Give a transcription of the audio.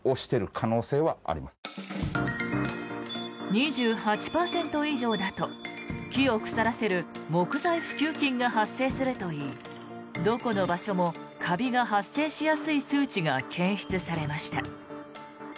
２８％以上だと、木を腐らせる木材腐朽菌が発生するといいどこの場所もカビが発生しやすい数値が検出されました。